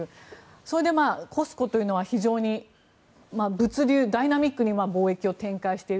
それでＣＯＳＣＯというのは非常に物流、ダイナミックに貿易を展開している。